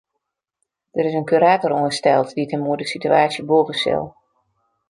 Der is in kurator oansteld dy't him oer de sitewaasje bûge sil.